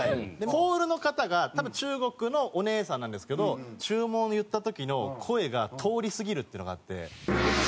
ホールの方が多分中国のお姉さんなんですけど注文言った時の声が通りすぎるっていうのがあって。